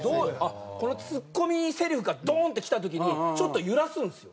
このツッコミせりふがドンってきた時にちょっと揺らすんですよ。